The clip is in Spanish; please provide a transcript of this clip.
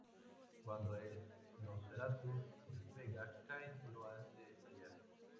Cuando el "Nosferatu" despega, Kane lo hace estallar.